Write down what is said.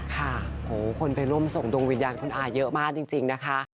ค่ะโหคนไปร่วมส่งดวงวิญญาณคุณอาเยอะมากจริงนะคะ